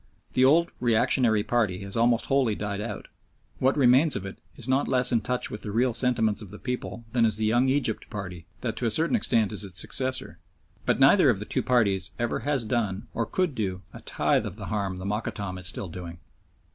The old reactionary party has almost wholly died out; what remains of it is not less in touch with the real sentiments of the people than is the Young Egypt party that to a certain extent is its successor, but neither of the two parties ever has done, or could do, a tithe of the harm the Mokattam is still doing.